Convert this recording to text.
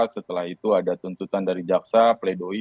setelah itu ada tuntutan dari jaksa pledoi